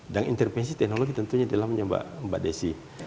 dan intervensi teknologi tentunya adalah punya mbak desi